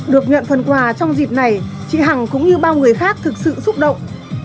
được nhận phần quà trong dịp này chị hằng cũng như bao người khác thực sự xúc động